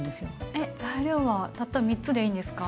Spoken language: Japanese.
えっ材料はたった３つでいいんですか？